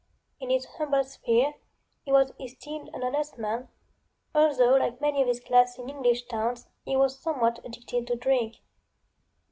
In his humble sphere he was esteemed an honest man, although like many of his class in English towns he was somewhat addicted to drink.